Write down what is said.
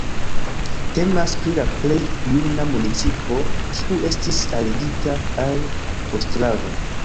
Temas pri la plej juna municipo, kiu estis aligita al Ostrava.